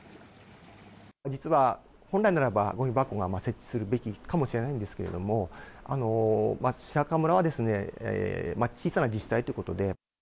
実は本来ならば、ごみ箱を設置するべきなのかもしれないんですが、白川村は、小さな自治体ということで。